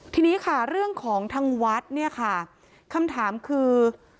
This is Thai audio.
ทีนี้ค่ะเรื่องของทางวัดเนี่ยค่ะคำถามคือ